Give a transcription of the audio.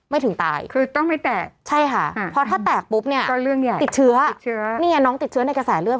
ไม่ถึงตายใช่ค่ะเพราะถ้าแตกปุ๊บเนี่ยติดเชื้อนี่ไงน้องติดเชื้อในกระแสเลือด